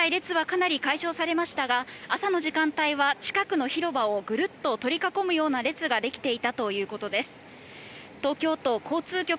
現在、列はかなり解消されましたが、朝の時間帯は近くの広場をグルッと取り囲むような列ができていたということです。